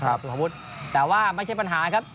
ต่อสุขวดแต่ว่าไม่ใช่ปัญหาครับ